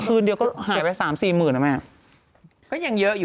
แอรี่แอรี่แอรี่